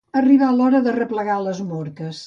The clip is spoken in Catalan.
Arribar a hora d'arreplegar les morques.